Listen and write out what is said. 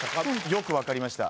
よく分かりました。